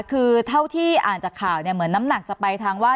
คือเท่าที่อ่านจากข่าวเนี่ยเหมือนน้ำหนักจะไปทางว่า